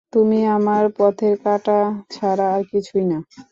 তুমি আমার পথের কাঁটা ছাড়া আর কিছুই না!